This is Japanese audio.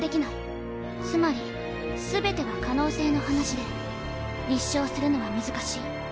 つまり全ては可能性の話で立証するのは難しい。